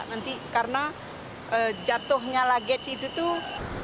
nanti karena jatuhnya bagasi itu tuh